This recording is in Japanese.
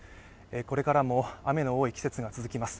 これからも雨の多い季節が続きます。